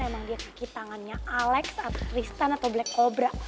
memang dia kaki tangannya alex atau tristan atau black kobra